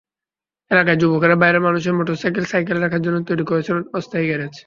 এলাকার যুবকেরা বাইরের মানুষের মোটরসাইকেল, সাইকেল রাখার জন্য তৈরি করেছেন অস্থায়ী গ্যারেজ।